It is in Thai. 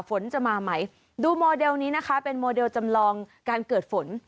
ฝนจะมาไหมดูโมเดลนี้นะคะเป็นโมเดลจำลองการเกิดฝน